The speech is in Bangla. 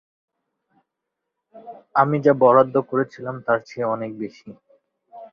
আমি যা বরাদ্দ করেছিলাম তার চেয়ে অনেক বেশি।